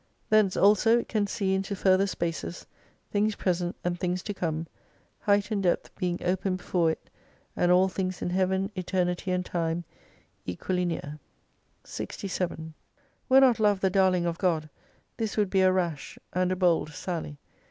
Thence also it can see into further spaces, things present and things to come; height and depth being open before it, and all things in Heaven, Eternity, and Time, equally near, 67 Were not Love the darling of God, this would be a rash and a bold sally.